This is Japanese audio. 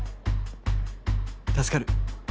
「助かる。